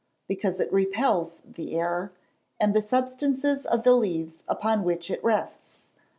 _ Because it repels the air, and the substances of the leaves upon which it rests.